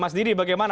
mas didi bagaimana